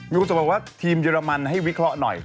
มีคนส่งมาว่าทีมเยอรมันให้วิเคราะห์หน่อย